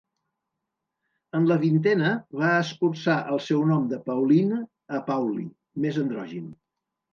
En la vintena, va escurçar el seu nom de Pauline a Pauli, més androgin.